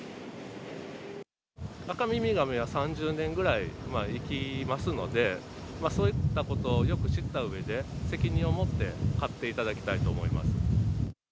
アカミミガメは３０年ぐらい生きますので、そういったことをよく知ったうえで、責任をもって飼っていただきたいと思います。